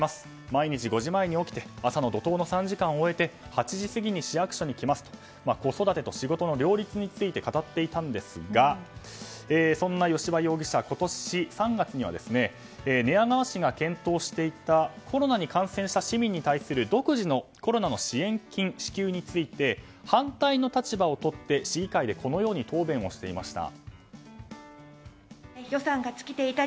毎日５時前に起きて朝の怒涛の３時間を終えて８時過ぎに市役所に来ますと子育てと仕事の両立について語っていたんですがそんな吉羽容疑者、今年３月には寝屋川市が検討していたコロナに感染した市民に対する独自のコロナの支援金支給について反対の立場をとって、市議会でこのように答弁をしていました。